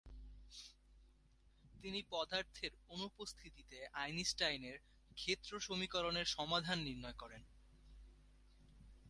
তিনি পদার্থের অনুপস্থিতিতে আইনস্টাইনের ক্ষেত্র সমীকরণের সমাধান নির্ণয় করেন।